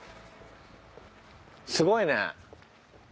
すごいね。